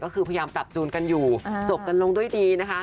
ก็คือพยายามปรับจูนกันอยู่จบกันลงด้วยดีนะคะ